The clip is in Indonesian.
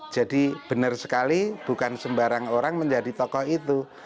jadi benar sekali bukan sembarang orang menjadi tokoh itu